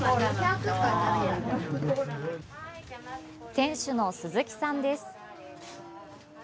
店主の鈴木さんです。